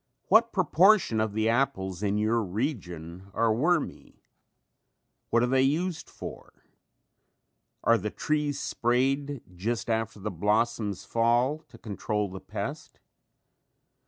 What proportion of apples in your region are wormy? What are they used for? Are the trees sprayed just after the blossoms fall to control the pest?